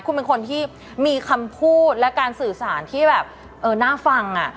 คุณเป็นคนที่มีคำพูดและการสื่อสารที่แบบเออน่าฟังอ่ะ